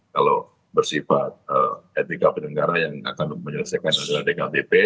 kalau bersifat etika penyelenggara yang akan menyelesaikan adalah dktp